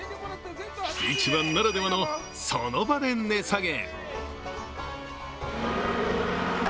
市場ならではの、その場で値下げ。